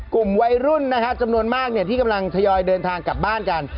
กลุ่มวัยรุ่นนะฮะจำนวนมากที่กำลังทยอยเดินทางกลับบ้านกัน